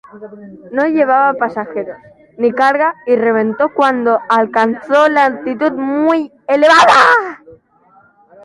No llevaba pasajeros ni carga y reventó cuando alcanzó una altitud muy elevada.